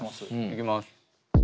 いきます。